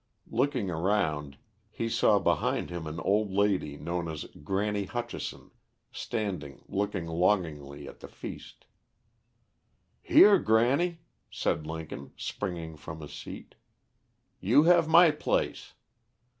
Looking around, he saw behind him an old lady known as "Granny Hutchinson," standing looking longingly at the feast. "Here Granny" said Lincoln springing from his seat, "you have my place."